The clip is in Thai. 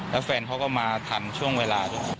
แล้วแฟนเขาก็มาทันช่วงเวลา